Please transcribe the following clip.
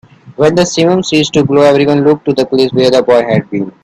When the simum ceased to blow, everyone looked to the place where the boy had been.